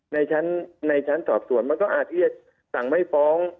ในชั้นสอบส่วนมันก็อาจที่จะสั่งไม่ฟ้อง